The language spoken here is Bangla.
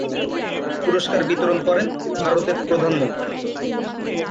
পুরস্কার বিতরণ করেন ভারতের প্রধানমন্ত্রী।